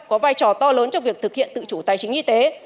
có vai trò to lớn trong việc thực hiện tự chủ tài chính y tế